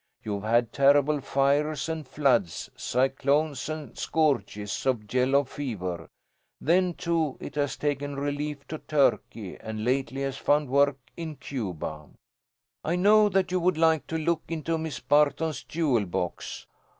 You have had terrible fires and floods, cyclones, and scourges of yellow fever. Then too, it has taken relief to Turkey and lately has found work in Cuba. "I know that you would like to look into Miss Barton's jewel box.